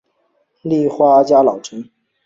立花家老臣。